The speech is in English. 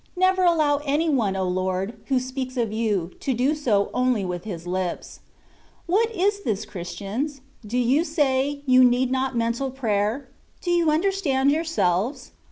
Never allow any one, O Lord ! who speaks of you, to do so only with his Ups. What is this. Christians? Do you say, you need not mentalj prayer? Do you understand yourselves?